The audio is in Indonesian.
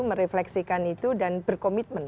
merefleksikan itu dan berkomitmen